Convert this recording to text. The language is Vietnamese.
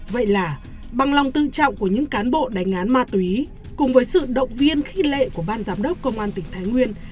vậy là bằng lòng tự trọng của những cán bộ đánh án ma túy cùng với sự động viên khích lệ của ban giám đốc công an tỉnh thái nguyên